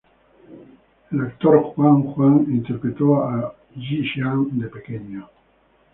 El actor Juan Juan interpretó a Yi Xiang, de pequeño.